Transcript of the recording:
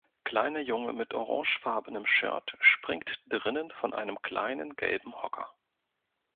Kleiner Junge mit orangefarbenem Shirt springt drinnen von einem kleinen gelben Hocker.